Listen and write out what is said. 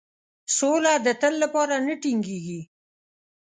سوله د تل لپاره نه ټینګیږي.